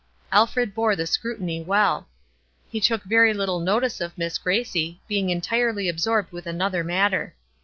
Alfred bore the scrutiny well. He took very little notice of Miss Gracie, being entirely absorbed with another matter.